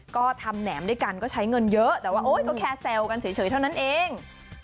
ก็ทำแหนมด้วยกันก็ใช้เงินเยอะแต่ว่าโอ๊ยก็แค่แซวกันเฉยเท่านั้นเอง